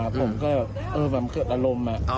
ผมก็แบบเกิดอารมณ์